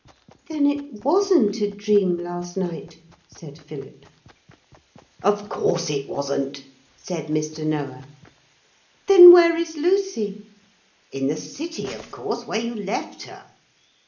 'Then it wasn't a dream last night,' said Philip. 'Of course it wasn't,' said Mr. Noah. 'Then where is Lucy?' 'In the city, of course. Where you left her.'